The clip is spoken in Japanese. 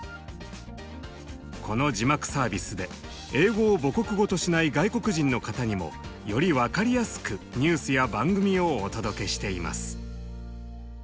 この字幕サービスで英語を母国語としない外国人の方にもより分かりやすくニュースや番組をお届けしています。